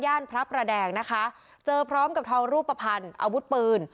พระประแดงนะคะเจอพร้อมกับทองรูปภัณฑ์อาวุธปืน